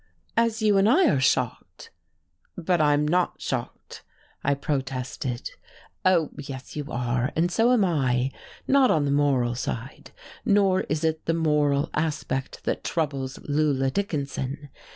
"As you and I are shocked." "But I'm not shocked," I protested. "Oh, yes, you are, and so am I not on the moral side, nor is it the moral aspect that troubles Lula Dickinson.